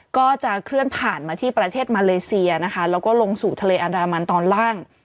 ก็จะเคลื่อนผ่านมาที่ประเทศมาเลเซียนะคะแล้วก็ลงสู่ทะเลอันดามันตอนล่าง